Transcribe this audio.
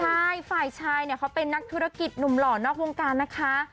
ใช่ฝ่ายชายเนี่ยเขาเป็นนักธุรกิจหนุ่มหล่อนอกวงการนะคะ